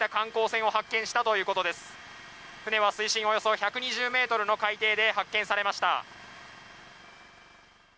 船は水深およそ１２０ｍの海底で発見されました。